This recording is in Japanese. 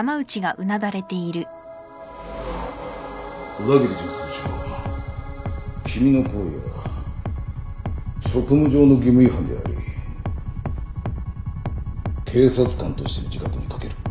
小田切巡査部長君の行為は職務上の義務違反であり警察官としての自覚に欠ける。